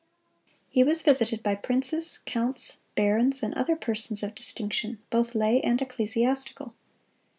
He was visited by princes, counts, barons, and other persons of distinction, both lay and ecclesiastical.